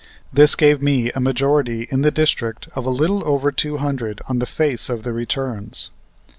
This gave me a majority in the district of a little over two hundred on the face of the returns.